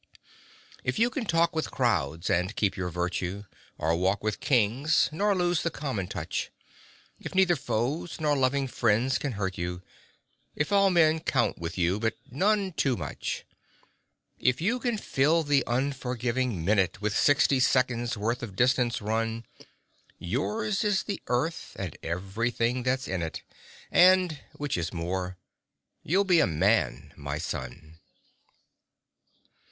If you can talk with crowds and keep your virtue, Or walk with Kings nor lose the common touch; If neither foes nor loving friends can hurt you, If all men count with you, but none too much; If you can fill the unforgiving minute With sixty seconds' worth of distance run, Yours is the Earth and everything that's in it, And which is more you'll be a Man, my son!